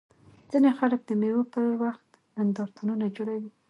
ځيني خلک د مېلو پر وخت نندارتونونه جوړوي.